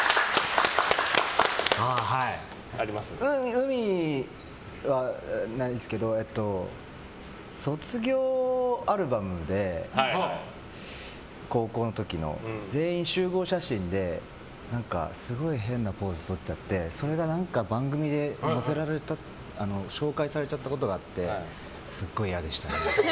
海はないですけど卒業アルバムで高校の時の全員の集合写真ですごい変なポーズをとっちゃってそれが番組で紹介されちゃったことがあってすごい嫌でしたね。